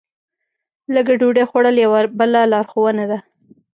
لږه ډوډۍ خوړل یوه بله لارښوونه ده.